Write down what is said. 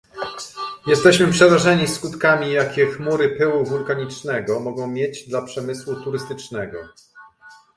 Jesteśmy przerażeni skutkami, jakie chmury pyłu wulkanicznego mogą mieć dla przemysłu turystycznego